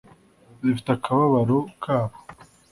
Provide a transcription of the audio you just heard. zifite akababaro kabo